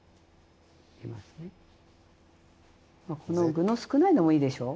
まあこの具の少ないのもいいでしょ。